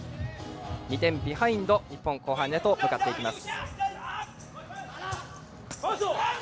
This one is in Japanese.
２点ビハインドで日本、後半へ向かっていきます。